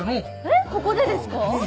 えっここでですか？